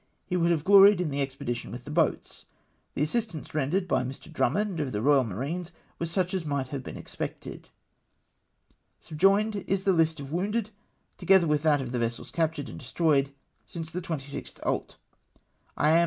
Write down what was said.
He would have gloried in the expedition with the boats. The assist ance rendered by Mr. Drummond of the Eoyal Marines was such as might have been expected. Subjoined is the list of COLD APPROVAL OF LORD ST. VINCENT 193 wounded, together with that of vessels captured and destroyed since the 26th ult. " I am, &c.